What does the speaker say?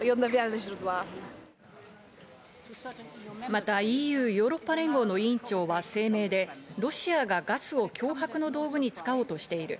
またＥＵ＝ヨーロッパ連合の委員長は声明でロシアがガスを脅迫の道具に使おうとしている。